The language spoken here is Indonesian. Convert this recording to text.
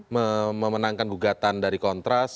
ketika tiga ep apa namanya kugatan dari kontras ya